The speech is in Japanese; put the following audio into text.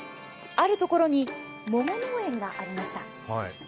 あるところに桃農園がありました。